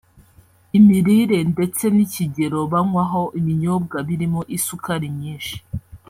imirire ndetse n’ikigero banywaho ibinyobwa birimo isukari nyinshi